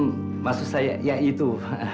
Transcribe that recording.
tapi pak joko saya tidak bisa berhenti